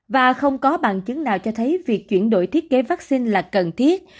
và không có bằng chứng nào cho thấy việc chuyển đổi thiết kế vaccine là cần thiết